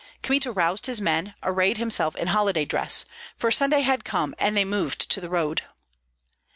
Kmita roused his men, arrayed himself in holiday dress, for Sunday had come and they moved to the road.